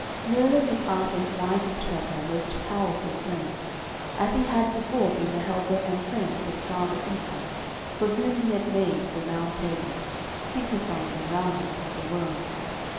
Merlin was Arthur's wisest helper and most powerful friend, as he had before been the helper and friend of his father Uther, for whom he had made the Round Table, signifying the roundness of the world.